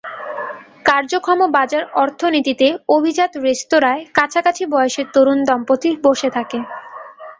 কার্যক্ষম বাজার অর্থনীতিতে অভিজাত রেস্তোরাঁয় কাছাকাছি বয়সের তরুণ দম্পতি বসে থাকে।